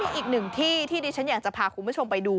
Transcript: อีกหนึ่งที่ที่ดิฉันอยากจะพาคุณผู้ชมไปดู